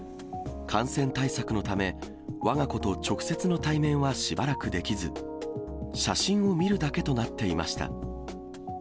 感染対策のため、わが子と直接の対面はしばらくできず、写真を見るだけとなっていました。